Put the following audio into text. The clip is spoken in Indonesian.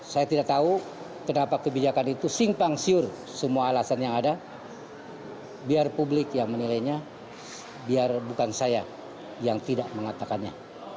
saya tidak tahu kenapa kebijakan itu simpang siur semua alasan yang ada biar publik yang menilainya biar bukan saya yang tidak mengatakannya